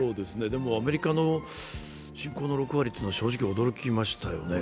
でもアメリカの人口の６割というのは正直驚きましたよね